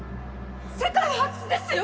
世界初ですよ！